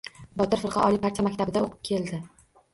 Botir firqa oliy partiya maktabida o‘qib keldi.